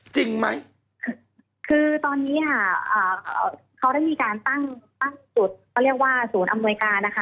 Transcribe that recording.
จริงไหมคือตอนนี้ค่ะอ่าเขาได้มีการตั้งตั้งจุดเขาเรียกว่าศูนย์อำนวยการนะคะ